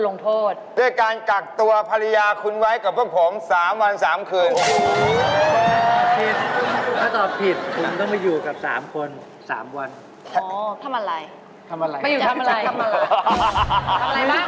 จริงสิคุณมะม่วงทานได้ถ้าคุณชอบใช่เพราะว่าก่อนหน้านี้ที่เกาหลีไม่มีนี้